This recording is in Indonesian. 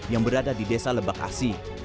yang berada di desa lebak asi